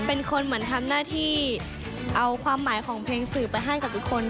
เป็นคนเหมือนทำหน้าที่เอาความหมายของเพลงสื่อไปให้กับทุกคน